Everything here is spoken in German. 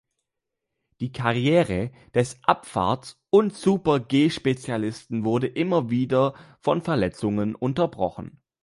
Die Karriere des Abfahrts- und Super-G-Spezialisten wurde immer wieder von Verletzungen unterbrochen.